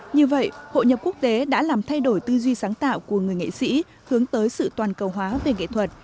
như vậy hội nhập quốc tế đã làm thay đổi tư duy sáng tạo của người nghệ sĩ hướng tới sự toàn cầu hóa về nghệ thuật